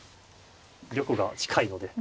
玉が近いので。